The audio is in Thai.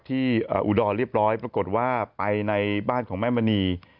อุดรเรียบร้อยปรากฏว่าไปในบ้านของแม่มณี